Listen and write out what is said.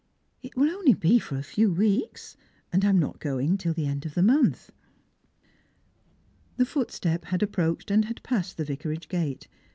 " It will only be for a few weeks. And I am not going till th< end of the month." The footstep had approached and had passed the Vicaragf gate.